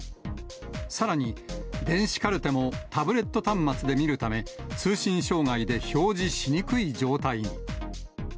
さらに電子カルテも、タブレット端末で見るため、通信障害で表示しにくい状態に。